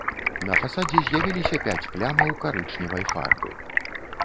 На фасадзе з'явіліся пяць плямаў карычневай фарбы.